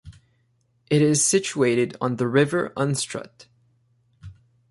It is situated on the river Unstrut.